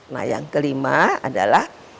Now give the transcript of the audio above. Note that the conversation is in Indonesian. nah yang kelima adalah